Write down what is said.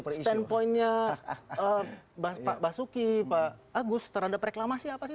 tentang standpoint nya pak basuki pak agus terhadap reklamasi apa sih